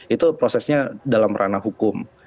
itu prosesnya dalam ranah hukum